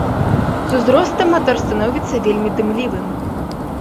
З узростам матор становіцца вельмі дымлівым.